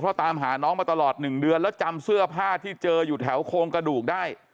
เพราะตามหาน้องมาตลอด๑เดือนแล้วจำเสื้อผ้าที่เจออยู่แถวโครงกระดูกได้